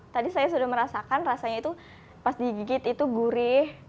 tadi saya sudah merasakan rasanya itu pas digigit itu gurih